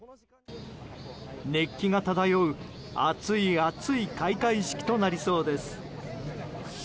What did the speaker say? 熱気が漂う熱い暑い開会式となりそうです。